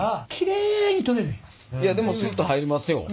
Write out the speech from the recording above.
いやでもスッと入りますよ。ね！